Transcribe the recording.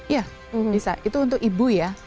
ya bisa itu untuk ibu ya